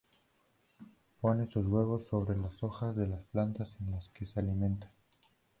Pone sus huevos sobre las hojas de las plantas en las que se alimenta.